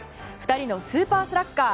２人のスーパースラッガー